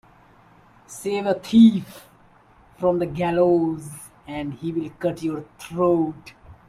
Save a thief from the gallows and he will cut your throat.